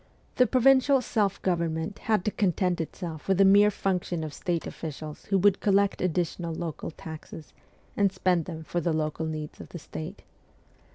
The provincial ' self government ' had to content itself with the mere function of state officials who would collect additional local taxes and spend them for the local needs of the state.